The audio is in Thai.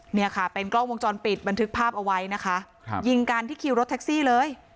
เนี่ยค่ะเป็นกล้องวงจรปิดบันทึกภาพเอาไว้นะคะครับยิงกันที่คิวรถแท็กซี่เลย